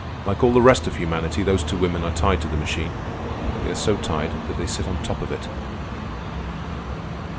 Like all the rest of humanity, those two women are tied to the machine, but they are so tied that they sit on top of it."